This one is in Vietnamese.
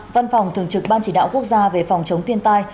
văn phòng thường trực ban chỉ đạo quốc gia về phòng chống thiên tai